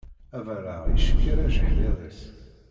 Abaṛeɣ icekkeṛ ajeḥniḍ-is.